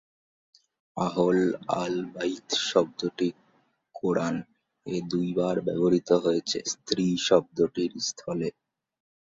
আহল আল-বাইত শব্দটি কোরআন-এ দুইবার ব্যবহৃত হয়েছে 'স্ত্রী' শব্দটির স্থলে।